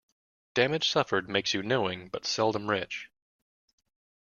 Damage suffered makes you knowing, but seldom rich.